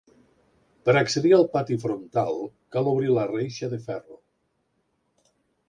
Per accedir al pati frontal, cal obrir la reixa de ferro.